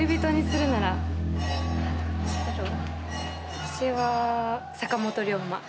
私は坂本龍馬。